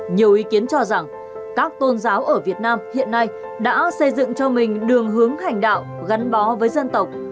nhiều ý kiến cho rằng các tôn giáo ở việt nam hiện nay đã xây dựng cho mình đường hướng hành đạo gắn bó với dân tộc